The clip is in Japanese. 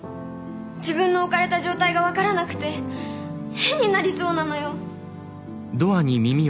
自分の置かれた状態が分からなくて変になりそうなのよ。